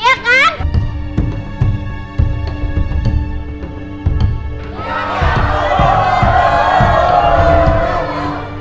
ya udah jamin aja